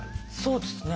そうですね。